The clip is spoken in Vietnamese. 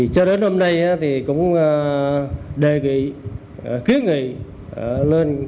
cho đến hôm nay cũng đề nghị ký nghị lên